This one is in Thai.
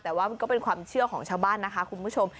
แต่ว่ามันก็เป็นความเชื่อของชาวบ้านนะคะคุณผู้ชม